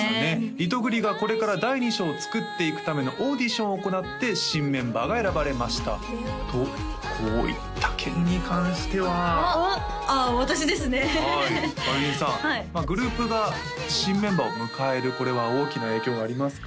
リトグリがこれから第２章を作っていくためのオーディションを行って新メンバーが選ばれましたとこういった件に関してはおっああ私ですねはいかりんさんグループが新メンバーを迎えるこれは大きな影響がありますか？